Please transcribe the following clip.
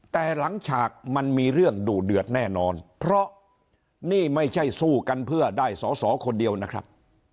แต่หลังฉากมันมีเรื่องดุเดือดแน่นอนเพราะนี่ไม่ใช่สู้กันเพื่อได้สอสอคนเดียวนะครับ